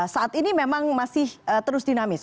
saat ini memang masih terus dinamis